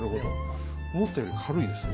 思ったより軽いですね。